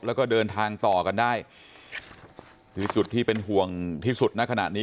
แล้วก็เดินทางต่อกันได้คือจุดที่เป็นห่วงที่สุดณขณะนี้